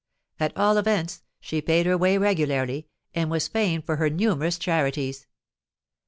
At all events, she paid her way regularly—and was famed for her numerous charities.